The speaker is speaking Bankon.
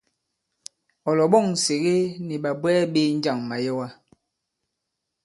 Ɔ̀ lɔ̀ɓɔ̂ŋ Nsège nì ɓàbwɛɛ ɓē njâŋ màyɛwa?